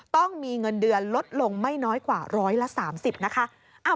ต้องมีเงินเดือนลดลงไม่น้อยกว่าร้อยละ๓๐นะคะ